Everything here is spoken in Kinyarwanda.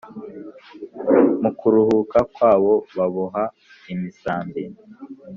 mu kuruhuka kwabo baboha imisambi